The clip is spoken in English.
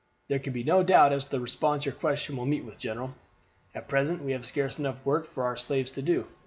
"There can be no doubt as to the response your question will meet with, general. At present we have scarce enough work for our slaves to do.